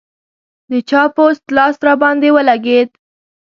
د چا پوست لاس راباندې ولګېد.